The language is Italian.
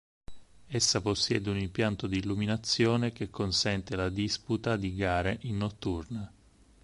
Essa possiede un impianto di illuminazione che consente la disputa di gare in notturna.